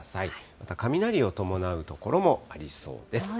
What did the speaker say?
また、雷を伴う所もありそうです。